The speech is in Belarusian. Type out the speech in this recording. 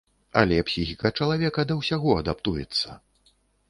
Але псіхіка чалавека да ўсяго адаптуецца.